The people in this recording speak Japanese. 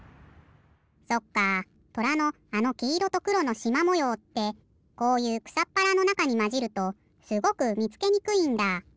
そっかとらのあのきいろとくろのしまもようってこういうくさっぱらのなかにまじるとすごくみつけにくいんだ。